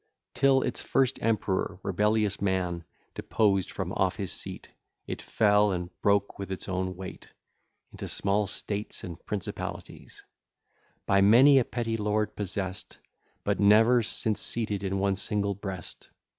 Till its first emperor, rebellious man, Deposed from off his seat, It fell, and broke with its own weight Into small states and principalities, By many a petty lord possess'd, But ne'er since seated in one single breast.